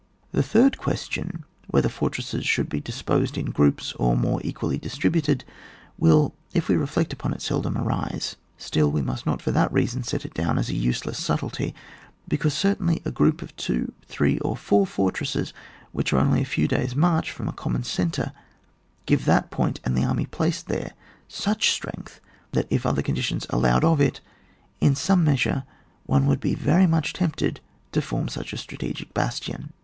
The third question — Whether fortresses should be disposed in groups, or more equally distributed ?— will, if we reflect upon it, seldom arise ; still we must not, for that reason, set it down as a useless subtilty, because certainly a group of two, three, or four fortresses, which are only a few days* march from a common centre, give that point and the army placed there such strength, that, if other conditions allowed of it, in some measure one would be very much tempted to form such a strategic bastion.